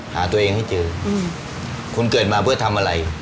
หาตัวเองให้เจอคุณเกิดมาเพื่อทำอะไร